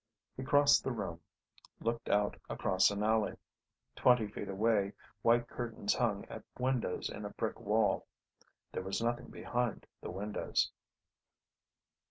He crossed the room, looked out across an alley. Twenty feet away white curtains hung at windows in a brick wall. There was nothing behind the windows.